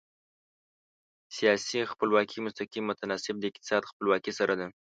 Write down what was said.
سیاسي خپلواکي مستقیم متناسب د اقتصادي خپلواکي سره ده.